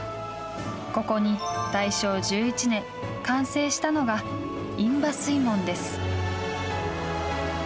ここに大正１１年に完成したのが印旛水門です。